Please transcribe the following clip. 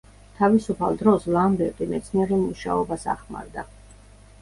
თავისუფალ დროს ლამბერტი მეცნიერულ მუშაობას ახმარდა.